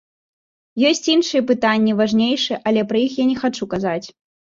Ёсць іншыя пытанні, важнейшыя, але пра іх я не хачу казаць.